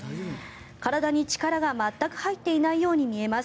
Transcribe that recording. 体に力が全く入っていないように見えます。